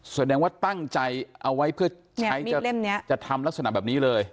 แสดงว่าตั้งใจเอาไว้เพื่อจะทำลักษณะแบบนี้เลย